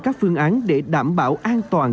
các phương án để đảm bảo an toàn